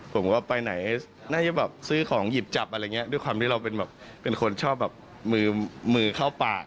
ผมก็ไปไหนน่าจะแบบซื้อของหยิบจับอะไรอย่างนี้ด้วยความที่เราเป็นแบบเป็นคนชอบแบบมือมือเข้าปาก